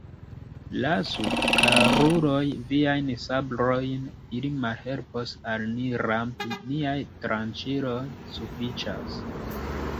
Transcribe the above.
Lasu, karuloj, viajn sabrojn, ili malhelpos al ni rampi, niaj tranĉiloj sufiĉas.